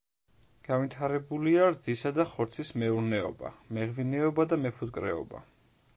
განვითარებულია რძისა და ხორცის მეურნეობა, მეღვინეობა და მეფუტკრეობა.